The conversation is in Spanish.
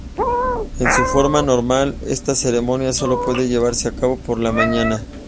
En su forma normal, esta ceremonia sólo puede llevarse a cabo por la mañana.